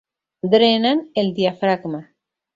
Drenan el diafragma.